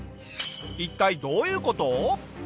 一体どういう事？